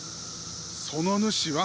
その主は。